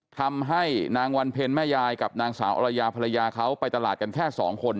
ทำให้นางวันเพ็ญแม่ยายกับนางสาวอรยาภรรยาเขาไปตลาดกันแค่สองคน